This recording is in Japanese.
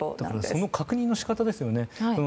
その確認の仕方ですよね。